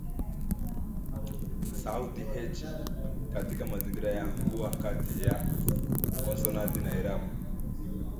sauti "h" katika mazingira ya kuwa kati ya konsonanti na irabu